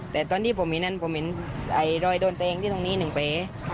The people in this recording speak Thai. แต่ตอนที่ผมเห็นนั้นผมเห็นรอยโดนแทงที่ตรงนี้๑แผล